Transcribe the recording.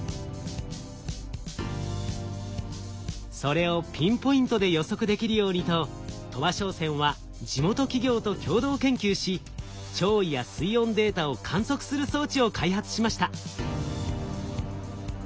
それをピンポイントで予測できるようにと鳥羽商船は地元企業と共同研究し潮位や水温データを観測する装置を開発しました。